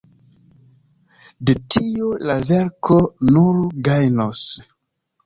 De tio la verko nur gajnos.